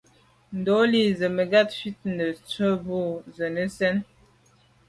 Ndɔ̌lî zə̀ mə̀kát fít nə̀ tswə́ bû zə̀ nə́ sɛ́n.